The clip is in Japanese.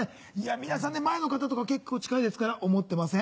皆さん前の方とか結構近いですから思ってません？